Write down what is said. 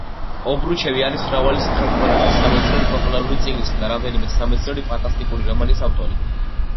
ობრუჩევი არის მრავალი სახელმძღვანელოს, სამეცნიერო პოპულარული წიგნისა და რამდენიმე სამეცნიერო ფანტასტიკური რომანის ავტორი.